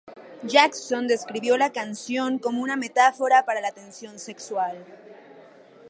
Jackson describió la canción como una metáfora para la tensión sexual.